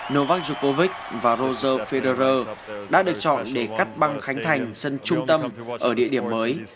novak djokovic và roger federer đã được chọn để cắt băng khánh thành sân trung tâm ở địa điểm mới